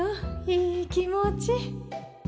いい気持ち。